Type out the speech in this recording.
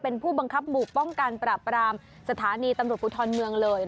เป็นผู้บังคับหมู่ป้องกันปราบรามสถานีตำรวจภูทรเมืองเลย